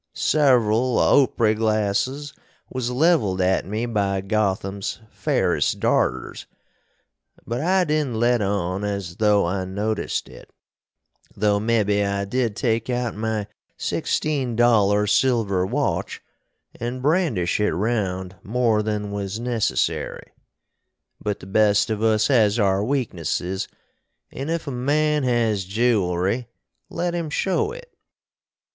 Several opery glasses was leveled at me by Gotham's fairest darters, but I didn't let on as tho I noticed it, tho mebby I did take out my sixteen dollar silver watch & brandish it round more than was necessary. But the best of us has our weaknesses & if a man has gewelry let him show it.